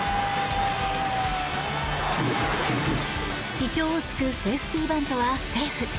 意表を突くセーフティーバントはセーフ！